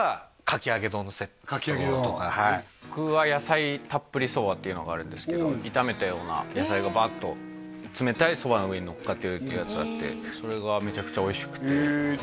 そこで深夜僕は僕は野菜たっぷりそばっていうのがあるんですけど炒めたような野菜がバッと冷たいそばの上にのっかってるっていうやつがあってそれがめちゃくちゃおいしくてへえ